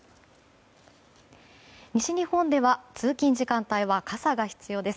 西日本では通勤時間帯は傘が必要です。